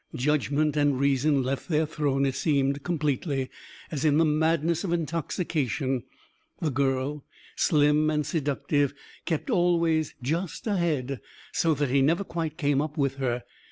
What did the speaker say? Judgment and reason left their throne, it seemed, completely, as in the madness of intoxication. The girl, slim and seductive, kept always just ahead, so that he never quite came up with her.